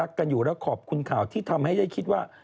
แล้วขอบคุณข่าวที่ทำให้ฉันคิดว่า